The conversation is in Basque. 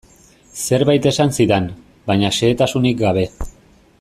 Zerbait esan zidan, baina xehetasunik gabe.